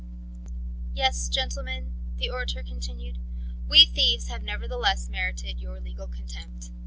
"Yes, gentlemen," the orator continued, "we thieves have nevertheless merited your legal contempt.